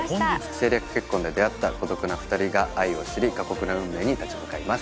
政略結婚で出会った孤独な２人が愛を知り過酷な運命に立ち向かいます。